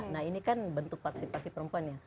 nah ini kan bentuk partisipasi perempuan ya